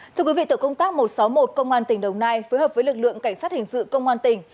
thưa quý vị tổ công tác một trăm sáu mươi một công an tỉnh đồng nai phối hợp với lực lượng cảnh sát hình sự công an tỉnh